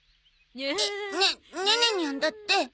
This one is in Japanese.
えっネネネニャンだって。